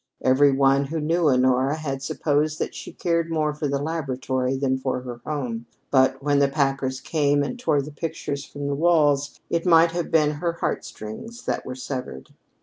Every one who knew Honora had supposed that she cared more for the laboratory than for her home, but when the packers came and tore the pictures from the walls, it might have been her heart strings that were severed.